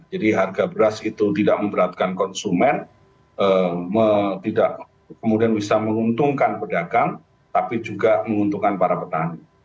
jadi harga beras itu tidak memberatkan konsumen kemudian bisa menguntungkan pedagang tapi juga menguntungkan para petani